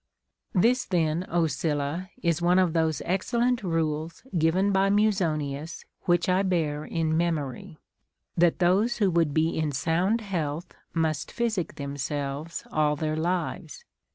2. Fundanus. This then, Ο Sylla, is one of those excellent rules given by Musonius which I bear in memo ry,— that those who would be in sound health must physic themseh^es all their lives.